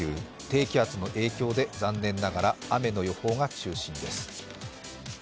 低気圧の影響で、残念ながら雨の予報が中心です。